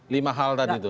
lima hal tadi tuh